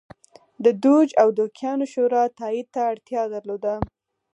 د دوج او دوکیانو شورا تایید ته اړتیا درلوده.